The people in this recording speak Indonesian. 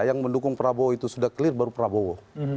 yang mendukung prabowo itu sudah clear baru prabowo